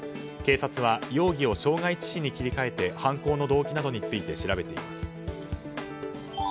警察は容疑を傷害致死に切り替えて犯行の動機などについて調べています。